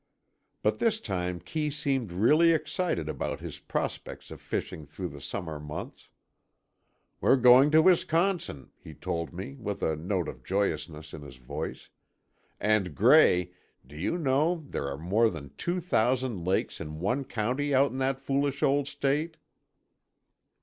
But this time Kee seemed really excited about his prospects of fishing through the summer months. "We're going to Wisconsin," he told me, with a note of joyousness in his voice, "and, Gray, do you know, there are more than two thousand lakes in one county out in that foolish old state?"